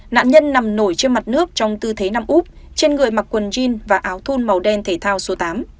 nạn nhân nằm nổi trên mặt nước trong tư thế nằm úp trên người mặc quần jean và áo thun màu đen thể thao số tám